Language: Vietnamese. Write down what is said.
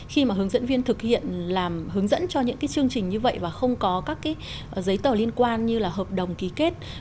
khi mà hướng dẫn viên thực hiện làm hướng dẫn cho những cái chương trình như vậy và không có các cái giấy tờ liên quan như là hợp đồng ký kết